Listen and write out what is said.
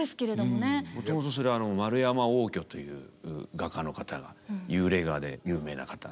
もともとそれ円山応挙という画家の方が幽霊画で有名な方。